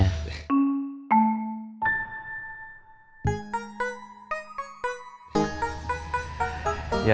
sudah dibantu semuanya